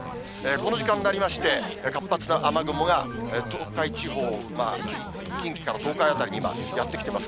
この時間になりまして、活発な雨雲が東海地方、近畿から東海辺りに今、やって来てます。